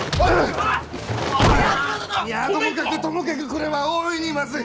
平八郎殿！いやともかくともかくこれは大いにまずい！